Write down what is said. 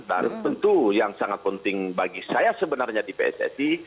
dan tentu yang sangat penting bagi saya sebenarnya di pssi